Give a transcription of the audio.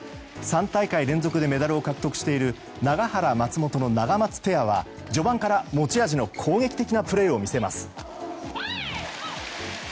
３大会連続でメダルを獲得している永原、松本のナガマツペアは序盤から持ち味の攻撃的なプレーを見せます。